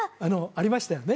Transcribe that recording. ありましたよね？